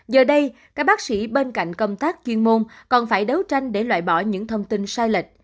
giờ đây các bác sĩ bên cạnh công tác chuyên môn còn phải đấu tranh để loại bỏ những thông tin sai lệch